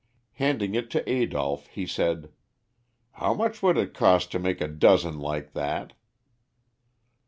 Handing it to Adolph, he said, "How much would it cost to make a dozen like that?"